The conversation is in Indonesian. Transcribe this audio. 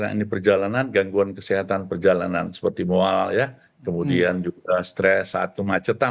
ini perjalanan gangguan kesehatan perjalanan seperti mual ya kemudian juga stres saat kemacetan